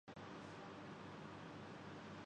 مولوی حضرات ویسے ہی فارغ لگتے ہیں۔